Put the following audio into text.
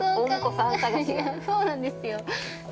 ◆そうなんですよ。